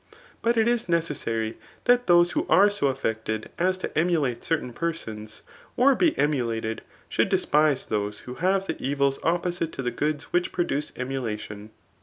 Bat it is necessary Aat those who are so affected as to emulate certain persons, or be emulated, should des{»se those who have the evils oppo< site to the goods which produce emulation.